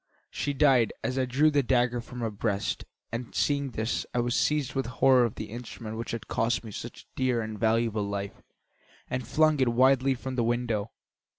She died as I drew the dagger from her breast, and seeing this, I was seized with horror of the instrument which had cost me such a dear and valuable life and flung it wildly from the window.